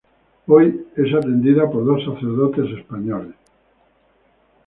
Hoy es atendida por dos sacerdotes españoles.